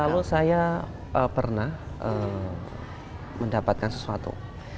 lalu saya pernah mendapatkan sesuatu